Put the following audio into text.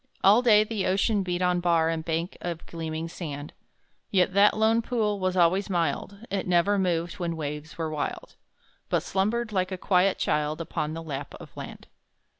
All day the ocean beat on bar And bank of gleaming sand; Yet that lone pool was always mild, It never moved when waves were wild, But slumbered, like a quiet child, Upon the lap of land.